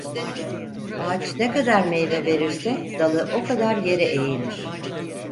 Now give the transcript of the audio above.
Ağaç ne kadar meyve verirse, dalı o kadar yere eğilir.